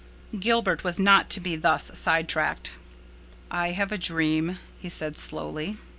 Gilbert was not to be thus sidetracked. "I have a dream," he said slowly.